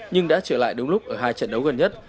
nhưng đã trở lại đúng lúc ở hai trận đấu gần nhất